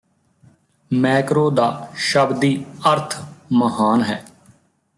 Macro ਦਾ ਸ਼ਬਦੀ ਅਰਥ ਮਹਾਨ ਹੈ